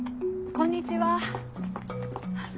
こんにちは。